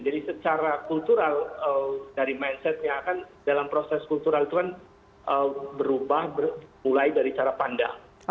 jadi secara kultural dari mindsetnya akan dalam proses kultural itu kan berubah mulai dari cara pandang